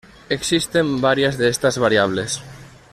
Existen varias de estas variables.